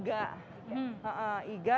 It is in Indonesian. jadi kaldunya ini dibuat dari iga